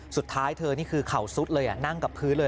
สุดท้ายเธอนี่คือเข่าซุดเลยนั่งกับพื้นเลย